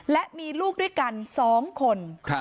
และมีลูกด้วยกัน๒คน